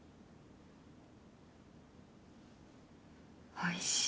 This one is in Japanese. おいしい。